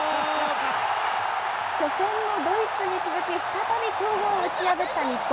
初戦のドイツに続き、再び強豪を打ち破った日本。